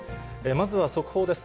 まずは速報です。